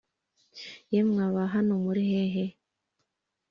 Yemwe Abahano murihe he